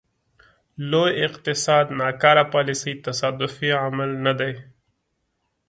لوی اقتصاد ناکاره پالیسۍ تصادفي عمل نه دی.